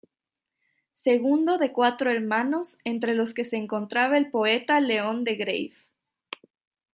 Segundo de cuatro hermanos, entre los que se encontraba el poeta León de Greiff.